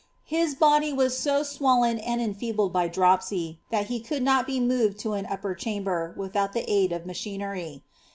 His body was so swollen and en abled by dropsy, that he could not be moved to an upper ehambei, viihuut llie aid of machinery.